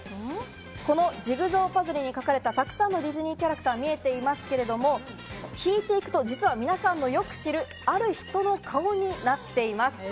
このジグソーパズルに描かれたたくさんのディズニーキャラクターが見えていますけれども、引いていくと、実は皆さんのよく知るある人の顔になっています。